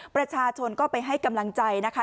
ประชาชนก็ไปให้กำลังใจนะคะ